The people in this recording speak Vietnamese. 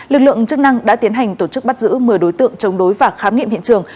lực lượng chức năng đã tiến hành tổ chức bắt giữ một mươi đối tượng chống đối và khám nghiệm hiện trường